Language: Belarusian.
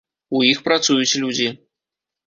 У іх працуюць людзі.